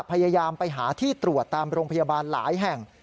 พยายามไปหาที่ตรวจตามโรงพยาบาลหลายแห่ง